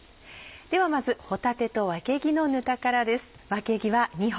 ではまず「帆立とわけぎのぬた」からです。